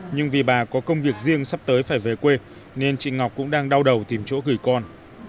nhưng vì bà có công việc riêng sắp tới phải về quê nên chị ngọc cũng đang đau đầu tìm chỗ gửi con